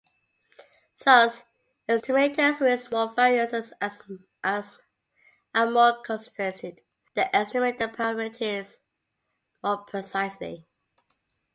Thus estimators with small variances are more concentrated, they estimate the parameters more precisely.